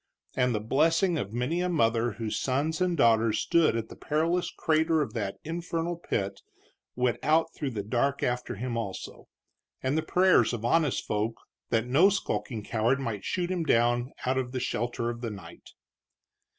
And the blessing of many a mother whose sons and daughters stood at the perilous crater of that infernal pit went out through the dark after him, also; and the prayers of honest folk that no skulking coward might shoot him down out of the shelter of the night.